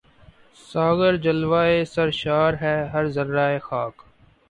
ساغر جلوۂ سرشار ہے ہر ذرۂ خاک